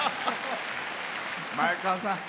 前川さん